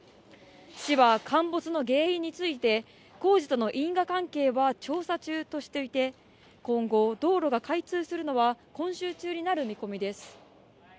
市は陥没の原因について工事との因果関係は調査中としていて今後道路が開通するのは今週中になる見込みです